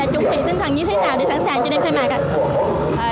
chuẩn bị tinh thần như thế nào để sẵn sàng cho đêm khai mạc ạ